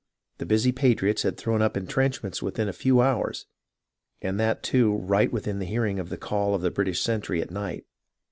The busy patriots had thrown up intrenchments within a few hours, and that, too, right within the hearing of the call of the British sentry at night.